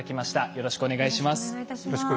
よろしくお願いします。